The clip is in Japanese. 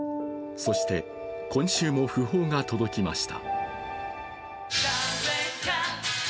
そして今週も訃報が届きました。